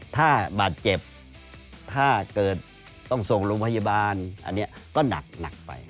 ถ้าบาดเจ็บถ้าเกิดต้องส่งโรงพยาบาลอันนี้ก็หนักไป